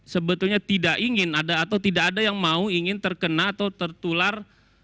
sebetulnya tidak ingin atau tidak ada yang mau ingin terkena atau tertular